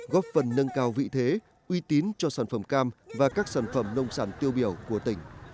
góp phần nâng cao vị thế uy tín cho sản phẩm cam và các sản phẩm nông sản tiêu biểu của tỉnh